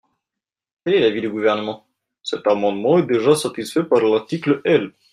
Quel est l’avis du Gouvernement ? Cet amendement est déjà satisfait par l’article L.